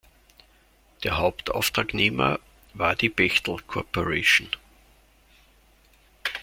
Der Hauptauftragnehmer war die Bechtel Corporation.